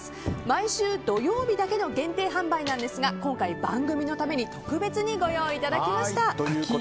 毎週土曜日だけの限定販売なんですが今回、番組のために特別にご用意いただきました。